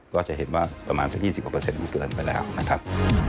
ก็จะเห็นว่าประมาณสัก๒๐กว่าเปอร์เซ็นมันเกินไปแล้วนะครับ